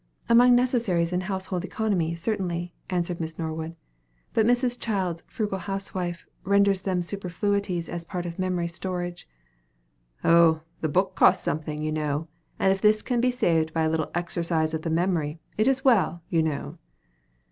"Among necessaries in household economy, certainly," answered Miss Norwood. "But Mrs. Child's 'Frugal Housewife' renders them superfluities as a part of memory's storage." "Oh, the book costs something, you know; and if this can be saved by a little exercise of the memory, it is well, you know."